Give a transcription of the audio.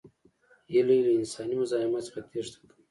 هیلۍ له انساني مزاحمت څخه تېښته کوي